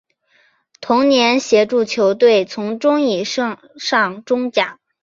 同年协助球队从中乙升上中甲。